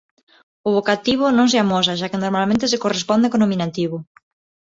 O vocativo non se amosa xa que normalmente se corresponde co nominativo.